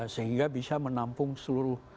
sehingga bisa menampung seluruh